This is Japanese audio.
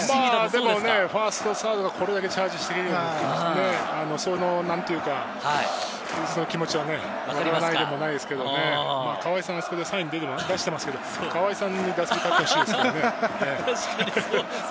でもファーストとサードがこれだけチャージして、そのなんていうか、そういう気持ちは、分からなくもないですけど、川相さん、あそこでサインを出していますけど、川相さんに打席を代わってほしいですけどね。